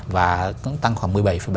và cũng tăng khoảng một mươi bảy bảy